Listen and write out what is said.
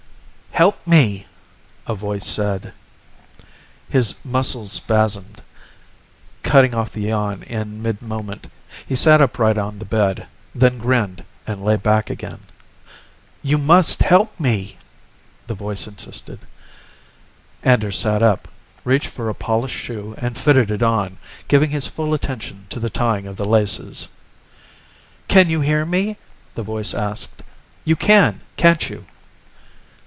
"Help me!" a voice said. His muscles spasmed, cutting off the yawn in mid moment. He sat upright on the bed, then grinned and lay back again. "You must help me!" the voice insisted. Anders sat up, reached for a polished shoe and fitted it on, giving his full attention to the tying of the laces. "Can you hear me?" the voice asked. "You can, can't you?"